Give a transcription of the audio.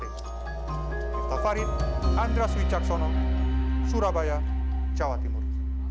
miftah farid andras wicaksono surabaya jawa timur